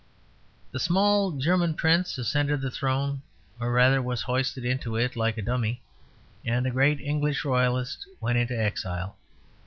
The small German prince ascended the throne, or rather was hoisted into it like a dummy, and the great English Royalist went into exile.